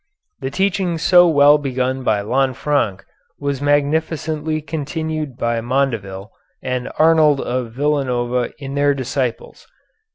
The teaching so well begun by Lanfranc was magnificently continued by Mondeville and Arnold of Villanova and their disciples.